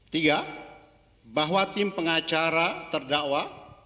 tiga bahwa tim pengacara terdakwa